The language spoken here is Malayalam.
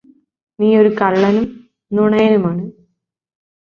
നീയൊരു കള്ളനും നുണയനുമാണ്